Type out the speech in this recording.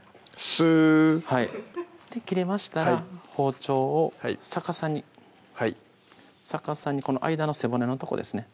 スーはい切れましたら包丁を逆さにはい逆さにこの間の背骨のとこですね